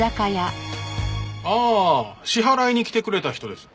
ああ支払いに来てくれた人です。